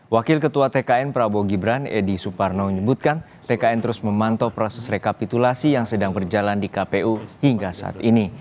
wakil ketua tkn prabowo gibran edi suparno menyebutkan tkn terus memantau proses rekapitulasi yang sedang berjalan di kpu hingga saat ini